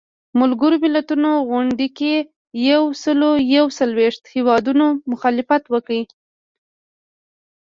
ملګرو ملتونو غونډې کې یو سلو یو څلویښت هیوادونو مخالفت وکړ.